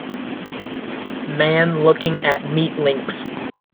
Man looking at meat links.